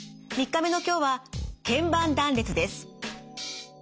３日目の今日は腱板断裂です。